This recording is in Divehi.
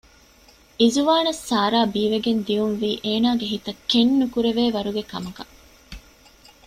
އިޒުވާނަށް ސާރާ ބީވެގެން ދިޔުންވީ އޭނަގެ ހިތަށް ކެތްނުކުރެވޭވަރުގެ ކަމަކަށް